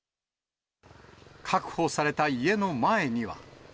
確保された家の前には。